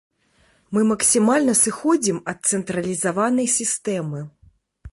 Мы максімальна сыходзім ад цэнтралізаванай сістэмы.